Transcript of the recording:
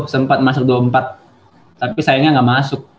sempat masuk dua puluh empat tapi sayangnya nggak masuk